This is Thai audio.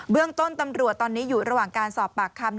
เรื่องต้นตำรวจตอนนี้อยู่ระหว่างการสอบปากคำ